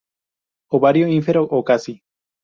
Ovario ínfero o casi.